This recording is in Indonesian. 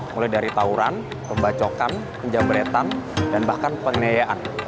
mulai dari tawuran pembacokan penjambretan dan bahkan penginayaan